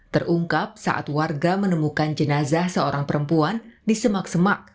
terungkap saat warga menemukan jenazah seorang perempuan di semak semak